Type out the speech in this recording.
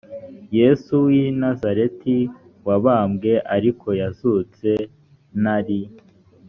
yesu w i nazareti wabambwe ariko yazutse ntari